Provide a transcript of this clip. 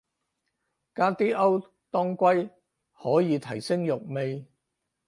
加啲歐當歸可以提升肉味